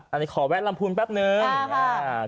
อันนี้ขอแวะลำพูนแป๊บนึง